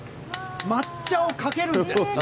抹茶をかけるんです。